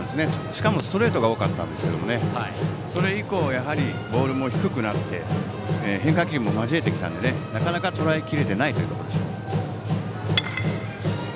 しかもストレートが多かったんですけれどもそれ以降、ボールも低くなって変化球も交えてきたのでなかなかとらえきれてないというところでしょう。